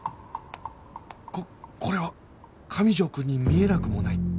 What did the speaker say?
ここれは上条くんに見えなくもない